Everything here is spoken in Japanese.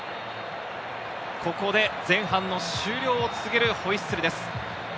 ここで前半の終了を告げるホイッスルです。